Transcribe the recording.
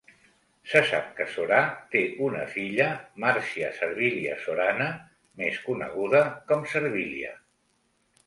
Se sap que Sorà té una filla, Marcia Servilia Sorana, més coneguda com Servilia